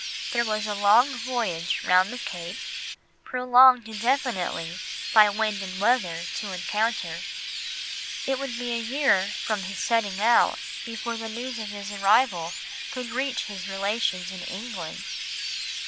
There was a long voyage round the Cape, prolonged indefinitely by wind and weather, to encounter. It would be a year from his setting out before the news of his arrival could reach his relations in England.